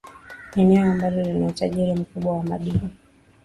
Eneo ambalo lina utajiri mkubwa wa madini.